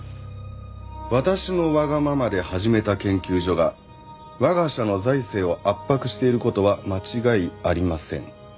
「私の我が儘で始めた研究所が我が社の財政を圧迫していることは間違いありません」